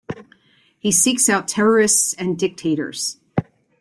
He seeks out terrorists and dictators.